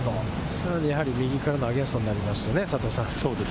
さらに右からのアゲンストになりますよね。